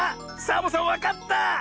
サボさんわかった！